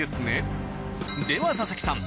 では佐々木さん